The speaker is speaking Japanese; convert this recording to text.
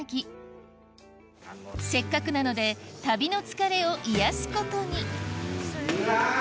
せっかくなので旅の疲れを癒やすことにうわ！